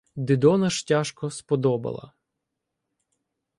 Дидона ж тяжко сподобала